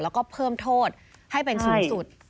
แล้วก็เพิ่มโทษให้เป็นสูงสุด